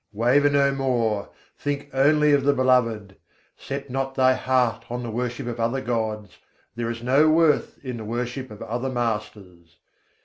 Waver no more, think only of the Beloved; Set not thy heart on the worship of other gods, there is no worth in the worship of other masters.